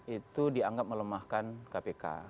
itu dianggap melemahkan kpk